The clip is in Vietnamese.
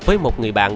với một người bạn